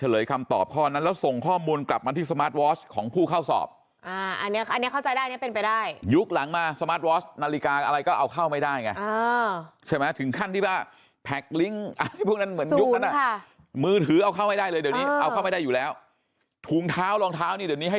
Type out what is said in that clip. คำตอบข้อนั้นแล้วส่งข้อมูลกลับมาที่สมาร์ทวอชของผู้เข้าสอบอ่าอันนี้อันนี้เข้าใจได้อันนี้เป็นไปได้ยุคหลังมาสมาร์ทวอสนาฬิกาอะไรก็เอาเข้าไม่ได้ไงใช่ไหมถึงขั้นที่ว่าแพคลิงก์อะไรพวกนั้นเหมือนยุคนั้นอ่ะค่ะมือถือเอาเข้าไม่ได้เลยเดี๋ยวนี้เอาเข้าไม่ได้อยู่แล้วถุงเท้ารองเท้านี่เดี๋ยวนี้ให้